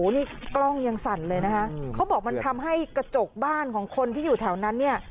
นี่กล้องยังสั่นเลยนะคะเขาบอกมันทำให้กระจกบ้านของคนที่อยู่แถวนั้นเนี่ย